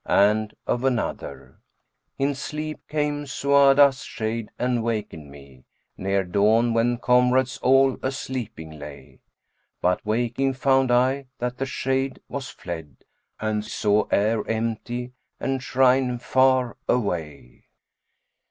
And that of another, "In sleep came Su'adб's[FN#393] shade and wakened me * Near dawn, when comrades all a sleeping lay: But waking found I that the shade was fled, * And saw air empty and shrine far away."